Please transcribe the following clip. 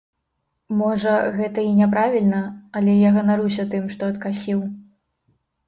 Можа, гэта і няправільна, але я ганаруся тым, што адкасіў.